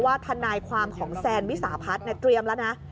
ว่าทานายความของแซนวิสาภัฐเตรียมแล้วนะ